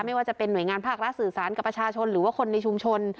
ไม่ว่าจะเป็นหน่วยงานภาครัฐสื่อสารกับประชาชนหรือว่าคนในชุมชน